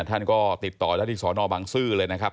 ท่านก็ติดต่อได้ที่สนบังซื้อเลยนะครับ